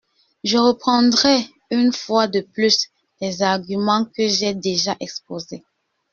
Je reprendrai, une fois de plus, les arguments que j’ai déjà exposés.